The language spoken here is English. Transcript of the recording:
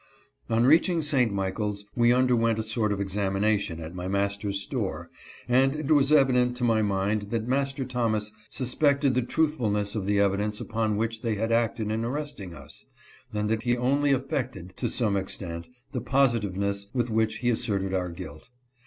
On reaching St. Michaels we underwent a sort of exam ination at my master's store, and it was evident to my mind that Master Thomas suspected the truthfulness of the evidence upon which they had acted in arresting us, and that he only affected, to some extent, the positiveness with which he asserted our guilt.